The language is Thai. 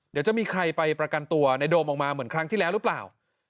เดี๋ยวจะมีใครไปประกันตัวในโดมออกมาเหมือนครั้งที่แล้วหรือเปล่า